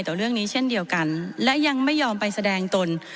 ต่อเรื่องนี้เช่นเดียวกันและยังไม่ยอมไปแสดงตน